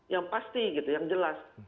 yang pasti gitu yang jelas